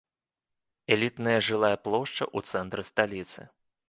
Элітная жылая плошча ў цэнтры сталіцы.